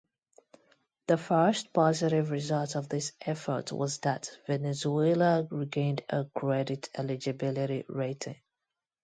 The first positive result of this effort was that Venezuela regained a credit-eligibility rating.